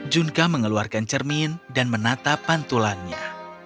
junka mengeluarkan cermin dan menata pantulannya